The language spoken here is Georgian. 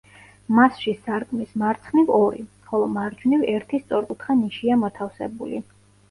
მასში სარკმლის მარცხნივ ორი, ხოლო მარჯვნივ ერთი სწორკუთხა ნიშია მოთავსებული.